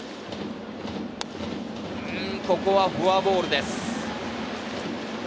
ここはフォアボールです。